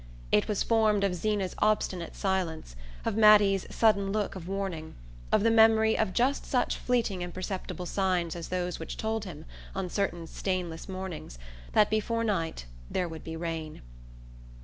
It was formed of Zeena's obstinate silence, of Mattie's sudden look of warning, of the memory of just such fleeting imperceptible signs as those which told him, on certain stainless mornings, that before night there would be rain.